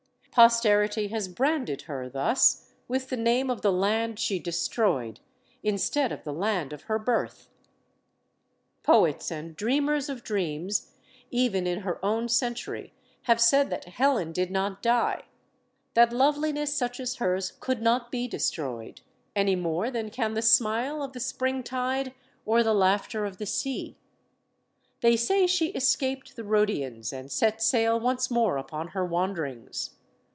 Posterity has branded her, thus, with the name of the land she destroyed, instead of the land of her birth. Poets and dreamers of dreams, even in her own. century, have said that Helen did not die; that loveli ness such as hers could not be destroyed, any more. 86 STORIES OF THE SUPER WOMEN than can the smile of the springtide or the laughter of the sea. They say she escaped the Rhodians and set sail once more upon her wanderings.